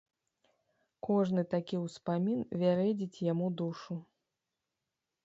Кожны такі ўспамін вярэдзіць яму душу.